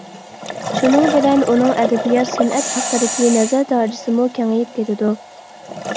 شۇنىڭ بىلەن ئۇنىڭ ئەدەبىيات-سەنئەت ھەققىدىكى نەزەر دائىرىسىمۇ كېڭىيىپ كېتىدۇ.